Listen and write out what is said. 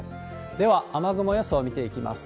では、雨雲予想、見ていきます。